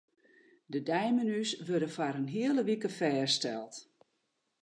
De deimenu's wurde foar in hiele wike fêststeld.